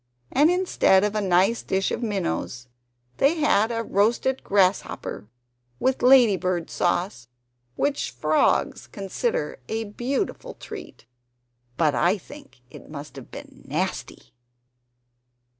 And instead of a nice dish of minnows, they had a roasted grasshopper with lady bird sauce, which frogs consider a beautiful treat; but I think it must have been nasty!